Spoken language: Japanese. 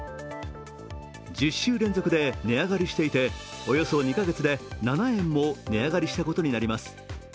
１０週連続で値上がりしていて、およそ２か月で７円も値上がりしたことになります